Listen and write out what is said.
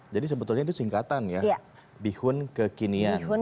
jadi sebetulnya itu singkatan ya bihun kekinian